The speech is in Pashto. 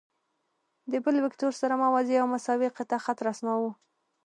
د بل وکتور سره موازي او مساوي قطعه خط رسموو.